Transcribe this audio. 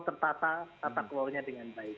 tertata tata kelolanya dengan baik